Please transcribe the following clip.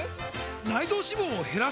内臓脂肪を減らす！？